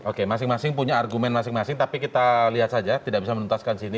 oke masing masing punya argumen masing masing tapi kita lihat saja tidak bisa menuntaskan sini